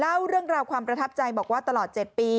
เล่าเรื่องราวความประทับใจบอกว่าตลอด๗ปี